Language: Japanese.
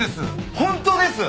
本当です！